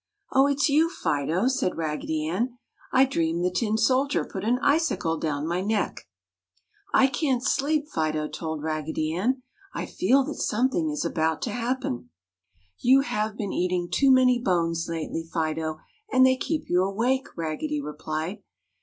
"Oh! It's you, Fido!" said Raggedy Ann. "I dreamed the tin soldier put an icicle down my neck!" "I can't sleep," Fido told Raggedy Ann. "I feel that something is about to happen!" "You have been eating too many bones lately, Fido, and they keep you awake," Raggedy replied.